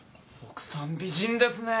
奥さん美人ですね。